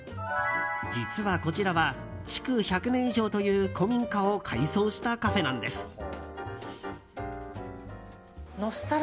実は、こちらは築１００年以上という古民家を改装したカフェなんです。